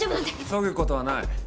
急ぐことはない。